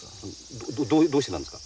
どうしてなんですか？